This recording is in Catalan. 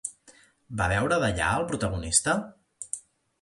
Va beure d'allà el protagonista?